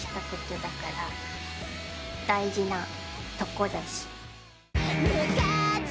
大事なとこだし。